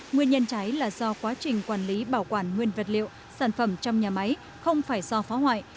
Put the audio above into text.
nguyên nhân cháy là do quá trình quản lý bảo quản nguyên vật liệu sản phẩm trong nhà máy không phải do phá hoại